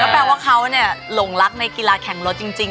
แปลว่าเขาหลงรักในกีฬาแข่งรถจริง